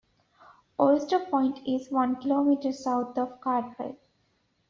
Oyster Point is one kilometre south of Cardwell.